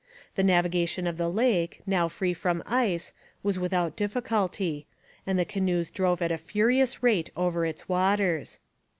The navigation of the lake, now free from ice, was without difficulty, and the canoes drove at a furious rate over its waters.